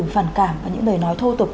phản cảm và những lời nói thô tục